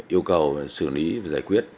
yêu cầu xử lý và giải quyết